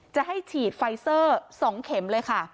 จะให้ฉีดไฟเซอร์๒เข็มเลยค่ะ